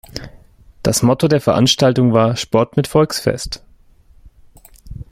Das Motto der Veranstaltung war „Sport mit Volksfest“.